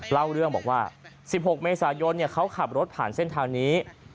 เล่าเรื่องบอกว่า๑๖เมษายนเขาขับรถผ่านเส้นทางนี้